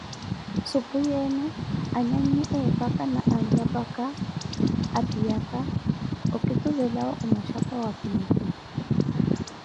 supuyeene anyanyi eepaka na nrampala opiyaka, okituvelawo omachapa wa piipi.